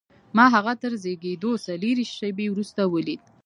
ما هغه تر زېږېدو څلرویشت شېبې وروسته ولید